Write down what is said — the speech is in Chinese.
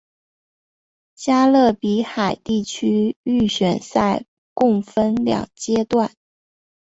加勒比海地区预选赛共分两阶段。